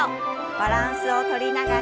バランスをとりながら。